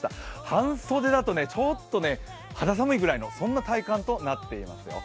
半袖だとちょっと肌寒いぐらいの、そんな体感となっていますよ。